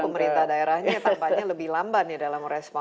justru pemerintah daerahnya tampaknya lebih lambat nih dalam respon